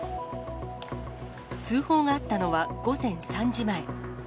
通報があったのは午前３時前。